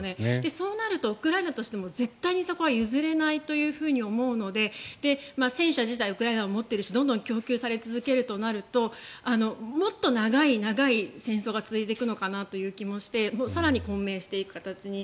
そうなるとウクライナとしても絶対にそこは譲れないと思うので戦車自体ウクライナは持ってるしどんどん供給され続けるとなるともっと長い長い戦争が続いていくのかなという気もして更に混迷していく形に。